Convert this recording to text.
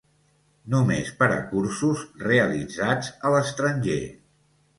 Només per a cursos realitzats a l'estranger.